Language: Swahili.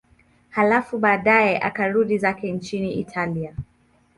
Halafu baadaye akarudi zake nchini Italia.